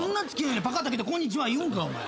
パカッて開けてこんにちは言うんかお前。